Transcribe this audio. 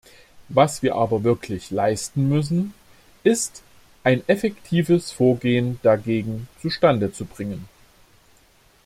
Was wir aber wirklich leisten müssen, ist, ein effektives Vorgehen dagegen zustandezubringen.